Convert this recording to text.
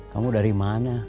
kamu dari mana